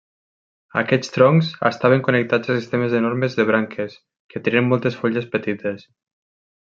Aquests troncs estaven connectats a sistemes enormes de branques que tenien moltes fulles petites.